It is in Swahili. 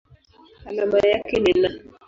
Alama yake ni Na.